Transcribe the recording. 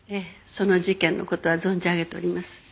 その事件の事は存じ上げております。